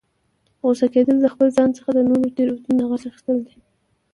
غوسه کیدل، د خپل ځان څخه د نورو د تیروتنو د غچ اخستل دي